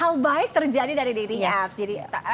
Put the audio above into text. hal baik terjadi dari dating apps